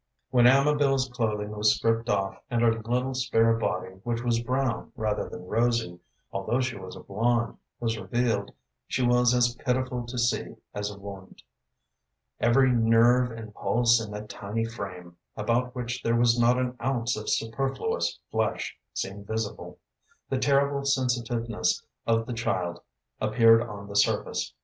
When Amabel's clothing was stripped off, and her little, spare body, which was brown rather than rosy, although she was a blonde, was revealed, she was as pitiful to see as a wound. Every nerve and pulse in that tiny frame, about which there was not an ounce of superfluous flesh, seemed visible. The terrible sensitiveness of the child appeared on the surface.